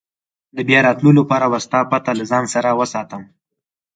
د بیا راتلو لپاره به ستا پته له ځان سره وساتم.